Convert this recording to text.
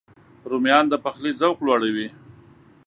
رومیان د پخلي ذوق لوړوي